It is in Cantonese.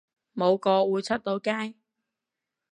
冇個會出到街